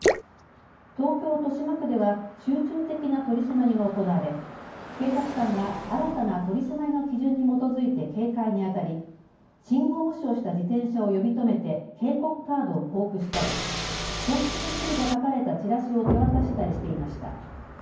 東京豊島区では集中的な取締りが行われ、警察官が新たな取締りの基準に基づいて警戒にあたり信号無視をした自転車を呼び止めて警告カードを交付したり交通ルールが書かれたチラシを手渡したりしていました。